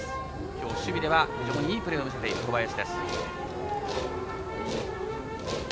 きょう守備では非常にいいプレーを見せている小林です。